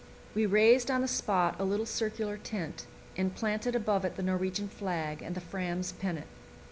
We raised on the spot a little circular tent, and planted above it the Norwegian flag and the Fram's pennant.